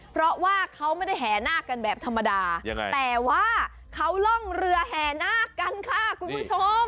เพราะว่าเขาไม่ได้แห่นาคกันแบบธรรมดายังไงแต่ว่าเขาร่องเรือแห่นาคกันค่ะคุณผู้ชม